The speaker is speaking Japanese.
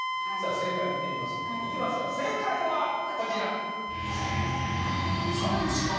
正解見てみますいきましょう正解はこちらザコシか？